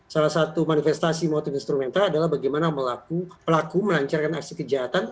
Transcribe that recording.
salah satu manifestasi motif instrumental adalah bagaimana pelaku melancarkan aksi kejahatan